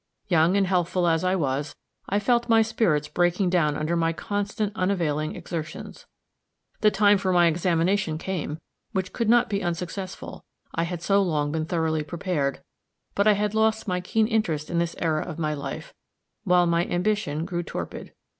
Young and healthful as I was, I felt my spirits breaking down under my constant, unavailing exertions. The time for my examination came, which could not be unsuccessful, I had so long been thoroughly prepared, but I had lost my keen interest in this era of my life, while my ambition grew torpid.